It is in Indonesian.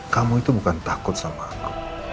kamu itu bukan takut sama aku